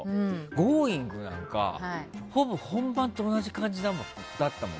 「Ｇｏｉｎｇ！」なんかほぼ本番と同じ感じだったもん。